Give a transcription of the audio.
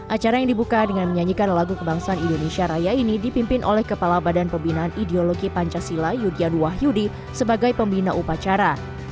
acara yang dibuka dengan menyanyikan lagu kebangsaan indonesia raya ini dipimpin oleh kepala badan pembinaan ideologi pancasila yudhian wahyudi sebagai pembina upacara